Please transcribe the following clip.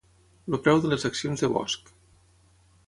El preu de les accions de Bosch.